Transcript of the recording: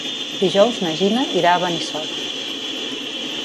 Dijous na Gina irà a Benissoda.